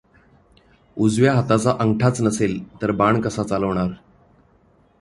उजव्या हाताचा अंगठा च नसेल तर बाण कसा चालवणार?